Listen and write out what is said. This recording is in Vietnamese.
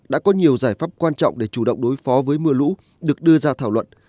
đã có nhiều giải pháp quan trọng để chủ động đối phó với mưa lũ được đưa ra thảo luận